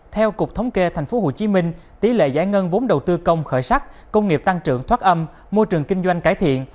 theo cục thống kê tp hcm tỷ lệ giải ngân vốn đầu tư công khởi sắc công nghiệp tăng trưởng thoát âm môi trường kinh doanh cải thiện